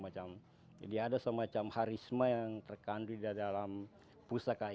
jadi ada semacam harisma yang terkandil di dalam pusaka ini